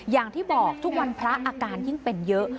อย่างที่บอกทุกวันพระอาการยิ่งเป็นเยอะ